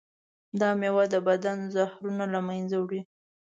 دا میوه د بدن زهرونه له منځه وړي.